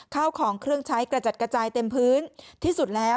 ข้าวของเครื่องใช้กระจัดกระจายเต็มพื้นที่สุดแล้ว